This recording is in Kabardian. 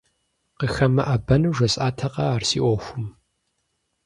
КъыхэмыӀэбэну жесӀатэкъэ ар си Ӏуэхум?